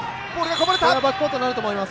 これはバックコートになると思います。